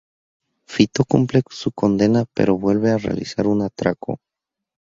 Fito cumple su condena, pero vuelve a realizar un atraco.